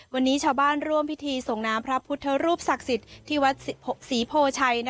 วันนี้ชาวบ้านร่วมพิธีสงน้ำพระพุทธรูปศักดิ์สิบสีโภชัยที่วันที่๖